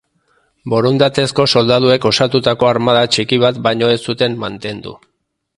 Borondatezko soldaduek osatutako armada txiki bat baino ez zuten mantendu.